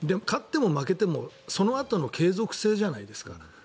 勝っても負けても、そのあとの継続性じゃないですか。